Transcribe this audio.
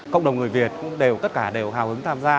cộng đồng người việt cũng đều tất cả đều hào hứng tham gia